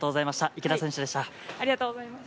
池田選手でした。